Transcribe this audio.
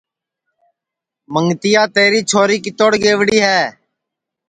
منگتیا تیری چھوری کِتوڑ گئیوڑی ہے